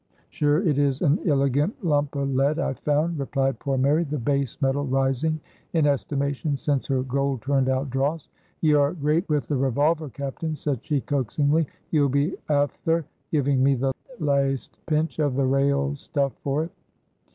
"Sure it is an illigant lump of lead I found," replied poor Mary; the base metal rising in estimation since her gold turned out dross. "Ye are great with the revolver, captain," said she, coaxingly, "ye'll be afther giving me the laste pinch of the rale stuff for it?"